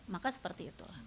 maka seperti itu